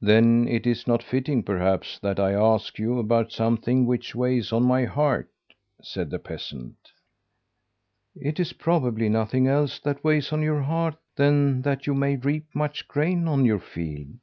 'Then it is not fitting, perhaps, that I ask you about something which weighs on my heart,' said the peasant. "'It is probably nothing else that weighs on your heart than that you may reap much grain on your field.